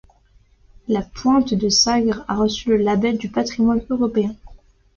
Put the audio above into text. La pointe de Sagres a reçu le Label du patrimoine européen.